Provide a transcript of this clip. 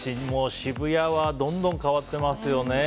渋谷はどんどん変わっていますね。